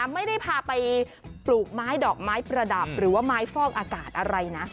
ไม่ได้พาไปปลูกไม้ดอกไม้ประดับหรือว่าไม้ฟอกอากาศอะไรนะ